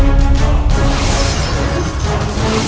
aku akan berhenti